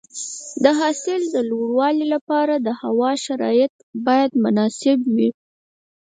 د حاصل د لوړوالي لپاره د هوا شرایط باید مناسب وي.